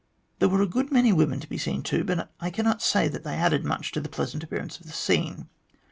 There were a good many women to be seen, too, but I cannot say that they added much to the pleasant appearance of the scene.